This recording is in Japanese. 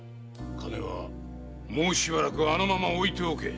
金はもうしばらくあのまま置いておけ。